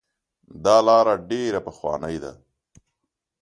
دا لاره ډیره پخوانۍ ده.